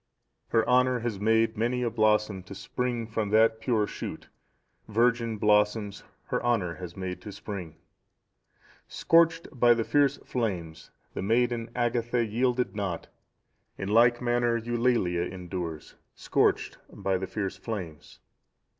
"Her honour has made many a blossom to spring from that pure shoot, virgin blossoms her honour has made to spring. "Scorched by the fierce flames, the maiden Agatha(670) yielded not; in like manner Eulalia endures, scorched by the fierce flames.